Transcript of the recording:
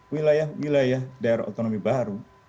wilayah wilayah daerah otonomi baru